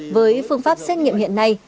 với phương pháp xét nghiệm hiện nay